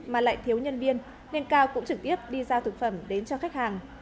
mà lại thiếu nhân viên nên cao cũng trực tiếp đi giao thực phẩm đến cho khách hàng